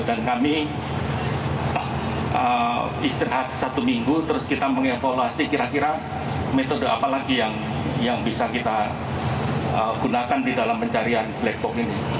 dan kami istirahat satu minggu terus kita mengevaluasi kira kira metode apa lagi yang bisa kita gunakan di dalam pencarian black box ini